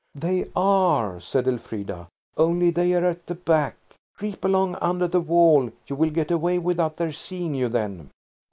"They are," said Elfrida, "only they're at the back. Creep along under the wall; you will get away without their seeing you then."